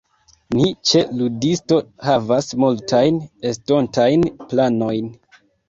Ni ĉe Ludisto havas multajn estontajn planojn.